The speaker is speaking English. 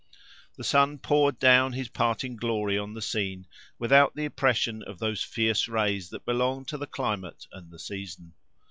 The sun poured down his parting glory on the scene, without the oppression of those fierce rays that belong to the climate and the season.